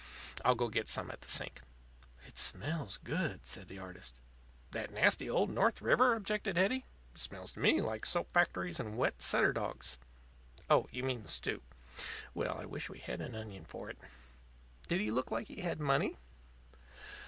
I'll go get some at the sink." "It smells good," said the artist. "That nasty old North River?" objected Hetty. "It smells to me like soap factories and wet setter dogs oh, you mean the stew. Well, I wish we had an onion for it. Did he look like he had money?"